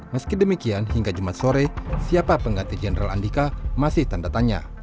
meski demikian hingga jumat sore siapa pengganti jenderal andika masih tanda tanya